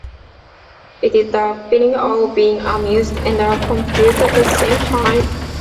It is the feeling of being amused and confused at the same time.